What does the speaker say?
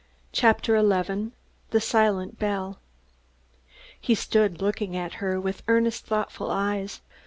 CHAPTER XI THE SILENT BELL He stood looking at her with earnest thoughtful eyes.